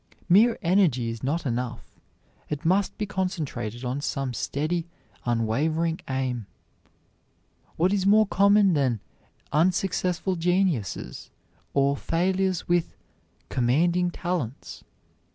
Mere energy is not enough; it must be concentrated on some steady, unwavering aim. What is more common than "unsuccessful geniuses," or failures with "commanding talents"?